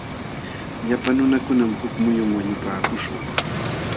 Llapa nunakunam huk muyun wañupaakuśhun.